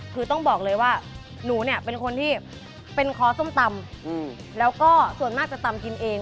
คือต้องบอกเลยว่าหนูเนี่ยเป็นคนที่เป็นคอส้มตำแล้วก็ส่วนมากจะตำกินเอง